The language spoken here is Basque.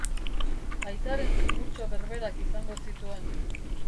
Aitaren zimurtxo berberak izango zituen.